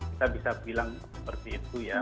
kita bisa bilang seperti itu ya